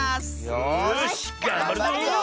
よしがんばるぞ！